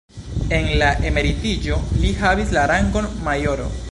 En la emeritiĝo li havis la rangon majoro.